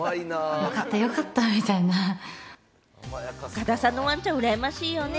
深田さんのワンちゃん羨ましいよね。